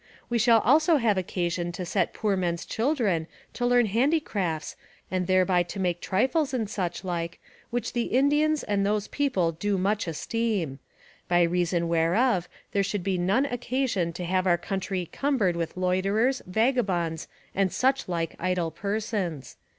We shall also have occasion to set poor men's children to learn handicrafts and thereby to make trifles and such like, which the Indians and those people do much esteem: by reason whereof there should be none occasion to have our country cumbered with loiterers, vagabonds, and such like idle persons.